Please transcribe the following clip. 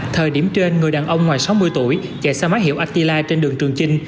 thời điểm trên người đàn ông ngoài sáu mươi tuổi chạy xe máy hiệu atili trên đường trường chinh